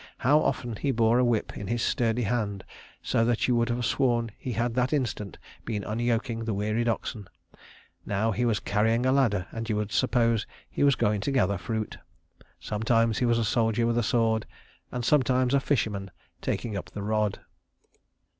How often he bore a whip in his sturdy hand so that you would have sworn he had that instant been unyoking the wearied oxen. Now he was carrying a ladder, and you would suppose he was going to gather fruit. Sometimes he was a soldier with a sword, and sometimes a fisherman, taking up the rod."